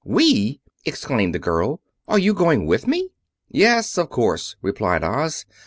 "We!" exclaimed the girl. "Are you going with me?" "Yes, of course," replied Oz.